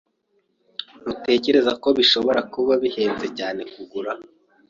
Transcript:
Ntutekereza ko bishobora kuba bihenze cyane kugura? (